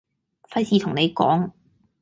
費事同你講